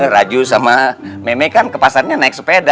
raju sama mei mei kan ke pasarnya naik sepeda